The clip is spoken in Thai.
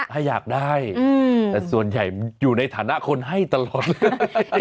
ถ้าอยากได้แต่ส่วนใหญ่อยู่ในฐานะคนให้ตลอดเลย